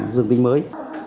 dương tinh mới